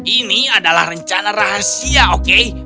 ini adalah rencana rahasia oke